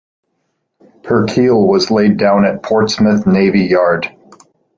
Her keel was laid down at Portsmouth Navy Yard.